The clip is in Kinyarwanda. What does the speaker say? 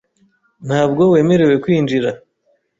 Ntabwo wemerewe kwinjira.